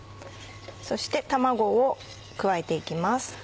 そして卵を加えて行きます。